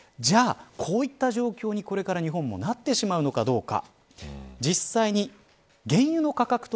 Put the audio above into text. じゃあ、こういった状況にこれから日本はなってしまうのかどうか。